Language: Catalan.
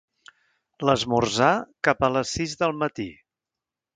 L'esmorzar, cap a les sis del matí